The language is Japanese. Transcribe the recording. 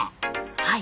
はい。